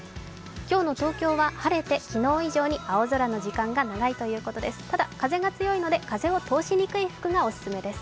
今日の東京は晴れて昨日以上に青空の時間が長いということです。